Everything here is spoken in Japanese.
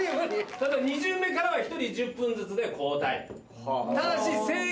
ただ、２巡目からは１人１０分ずつで交代。